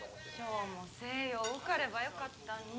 翔も星葉受かればよかったんに